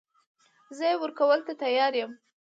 زه يې ورکولو ته تيار يم .